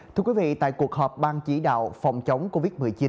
thưa quý vị tại cuộc họp ban chỉ đạo phòng chống covid một mươi chín